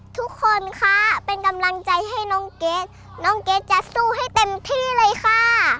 ทุกคนค่ะเป็นกำลังใจให้น้องเก๊น้องเกดจะสู้ให้เต็มที่เลยค่ะ